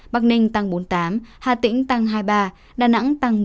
bắc ninh tăng bốn mươi tám hà tĩnh tăng hai mươi ba đà nẵng tăng một mươi